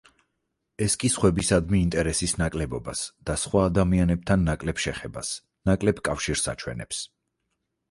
ეს კი სხვებისადმი ინტერესის ნაკლებობას და სხვა ადამიანებთან ნაკლებ შეხებას, ნაკლებ კავშირს აჩვენებს.